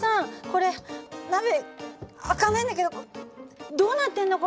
これ鍋開かないんだけどどうなってんの？